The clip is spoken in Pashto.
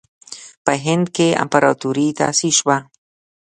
په هند کې امپراطوري تأسیس شوه.